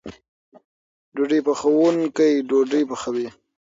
ډوډۍ پخوونکی ډوډۍ پخوي.